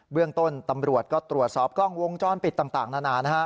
เรื่องต้นตำรวจก็ตรวจสอบกล้องวงจรปิดต่างนานานะฮะ